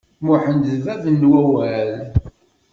Muḥend d bab n wawal.